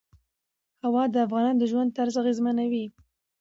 هوا د افغانانو د ژوند طرز اغېزمنوي.